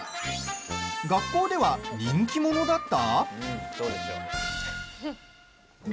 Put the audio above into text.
学校では人気者だった？